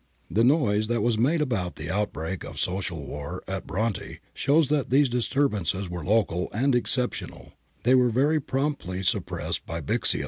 The noise that was made about the outbreak of social war at Bronte shows that these disturbances were local and exceptional ; they were very promptly suppressed by Bixio.